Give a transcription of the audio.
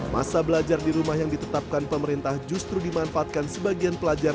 masa belajar di rumah yang ditetapkan pemerintah justru dimanfaatkan sebagian pelajar